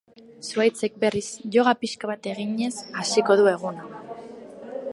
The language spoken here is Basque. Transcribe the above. Zuhaitzek, berriz, yoga pixka bat eginez hasiko du eguna.